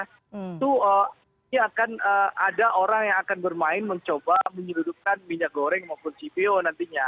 itu akan ada orang yang akan bermain mencoba menyeludupkan minyak goreng maupun cpo nantinya